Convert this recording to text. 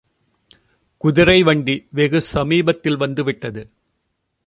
குதிரை வண்டி வெகுசமீபத்தில் வந்துவிட்டது.